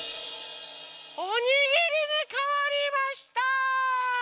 おにぎりにかわりました！